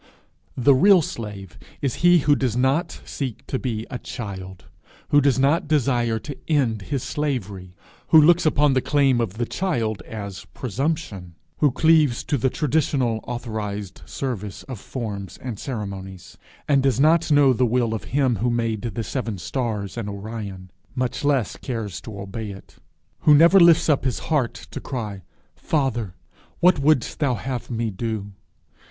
The real slave is he who does not seek to be a child; who does not desire to end his slavery; who looks upon the claim of the child as presumption; who cleaves to the traditional authorized service of forms and ceremonies, and does not know the will of him who made the seven stars and Orion, much less cares to obey it; who never lifts up his heart to cry 'Father, what wouldst thou have me to do?'